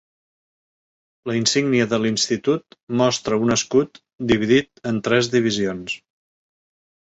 La insígnia de l'institut mostra un escut dividit en tres divisions.